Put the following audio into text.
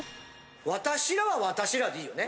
「わたしら」は私らでいいよね？